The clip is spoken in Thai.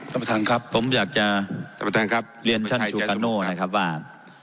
ท่านประธานครับผมอยากจะท่านประธานครับเรียนท่านชูกาโน่นะครับว่า